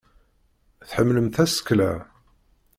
Tḥemmlem tasekla?